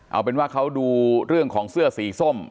เอาเป็นว่าเขาดูเรื่องของเสื้อสีส้ม